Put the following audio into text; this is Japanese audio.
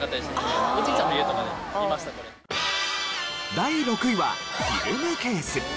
第６位はフィルムケース。